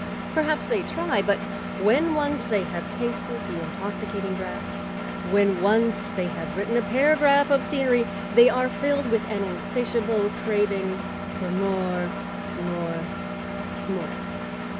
Perhaps they try; but when once they have tasted the intoxicating draught, when once they have written a paragraph of scenery, they are filled with an insatiable craving for more—more—more.